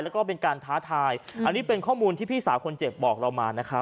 แล้วก็เป็นการท้าทายอันนี้เป็นข้อมูลที่พี่สาวคนเจ็บบอกเรามานะครับ